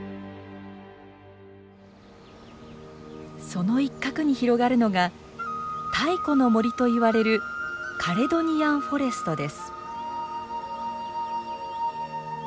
その一角に広がるのが太古の森といわれるカレドニアンフォレストです。